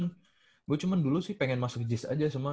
nggak sih gua cuman dulu sih pengen masuk jis aja semua